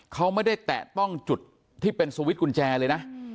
เขาไม่ได้แตะต้องจุดที่เป็นสวิตช์กุญแจเลยนะ